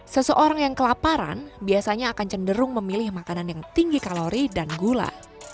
seseorang yang kelaparan biasanya akan cenderung memilih makanan yang tinggi kalori dan gula